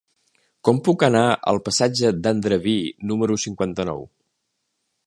Com puc anar al passatge d'Andreví número cinquanta-nou?